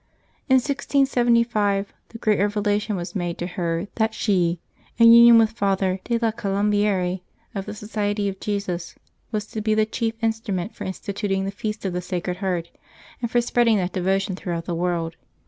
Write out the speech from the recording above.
In 1675 the great revelation was made to her that she, in union with Father de la Colombiere, of the Society of Jesus, was to be the chief instrument for instituting the feast of the Sacred Heart, and for spreading that devotion throughout the world.